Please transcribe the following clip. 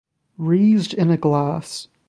Raised in a glass.